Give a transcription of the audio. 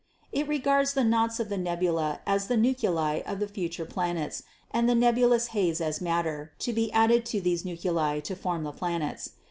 ... It regards the knots of the nebula as the nuclei of the future planets and the nebulous haze as mat ter to be added to these nuclei to form the planets.